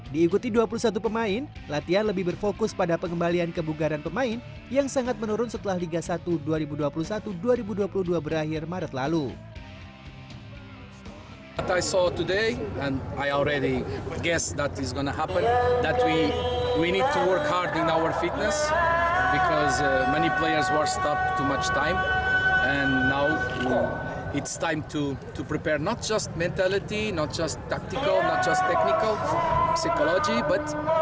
diikuti dua puluh satu pemain latihan lebih berfokus pada pengembalian kebugaran pemain yang sangat menurun setelah liga satu dua ribu dua puluh satu dua ribu dua puluh dua berakhir maret lalu